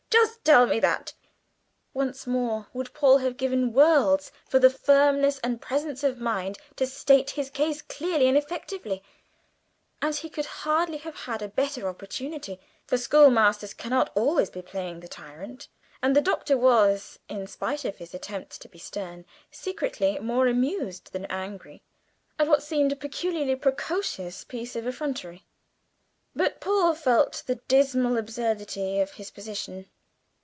Just tell me that!" Once more would Paul have given worlds for the firmness and presence of mind to state his case clearly and effectively; and he could hardly have had a better opportunity, for schoolmasters cannot always be playing the tyrant, and the Doctor was, in spite of his attempts to be stern, secretly more amused than angry at what seemed a peculiarly precocious piece of effrontery. But Paul felt the dismal absurdity of his position.